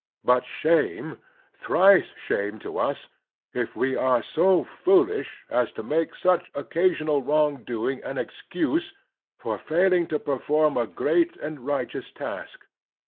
But shame, thrice shame to us, if we are so foolish as to make such occasional wrong doing an excuse for failing to perform a a great and righteous task.